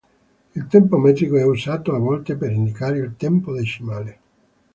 Il tempo metrico è usato a volte per indicare il tempo decimale.